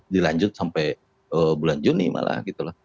dilanjut sampai bulan juni malah